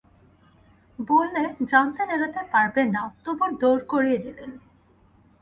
বললে, জানতেন এড়াতে পারবেন না, তবু দৌড় করিয়ে নিলেন।